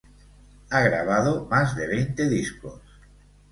Ha grabado más de veinte discos.